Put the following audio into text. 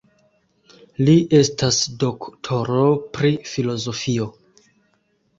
Li estas doktoro pri filozofio.